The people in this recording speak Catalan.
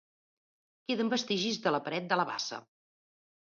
Queden vestigis de la paret de la bassa.